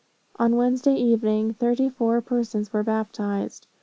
"On Wednesday evening, thirty four persons were baptized.